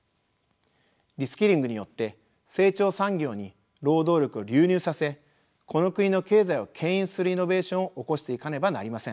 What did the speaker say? リスキリングによって成長産業に労働力を流入させこの国の経済を牽引するイノベーションを起こしていかねばなりません。